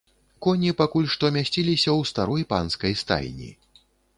Коні пакуль што мясціліся ў старой панскай стайні.